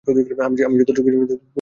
আমি যতটুকু জানি, তুমি অনেক পরিশ্রমী।